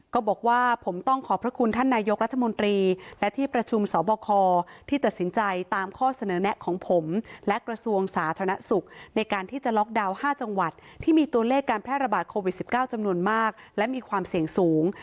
ก็บอกว่าผมต้องขอบพระคุณท่านนายกรัฐมนตรีและที่ประชุมสบคที่ตัดสินใจตามข้อเสนอแนะของผมและกระทรวงสาธารณสุขในการที่จะล็อกดาวน์๕จังหวัดที่มีตัวเลขการแพร่ระบาดโควิด๑๙จำนวนมากและมีความเสี่ยงสูง